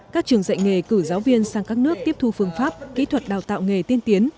các trường dạy nghề cử giáo viên sang các nước tiếp thu phương pháp kỹ thuật đào tạo nghề tiên tiến